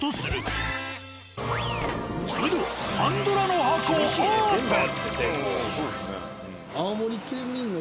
それではパンドラの箱オープン！